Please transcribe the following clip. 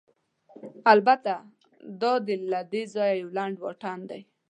البته، دا له دې ځایه یو لنډ واټن دی.